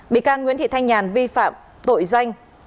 bị can nguyễn thị thanh nhàn vi phạm tội danh